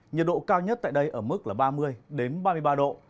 nhiệt độ cao nhất tại đây ở mức là ba mươi ba mươi ba độ